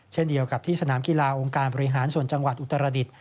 เช่นเดียวกับที่สนามกีฬาองค์การบริหารส่วนจังหวัดอุตรดิษฐ